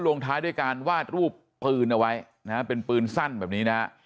ลงท้ายด้วยการวาดรูปปืนเอาไว้นะฮะเป็นปืนสั้นแบบนี้นะฮะ